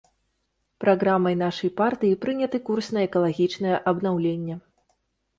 Праграмай нашай партыі прыняты курс на экалагічнае абнаўленне.